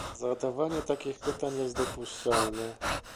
Zadawanie takich pytań jest dopuszczalne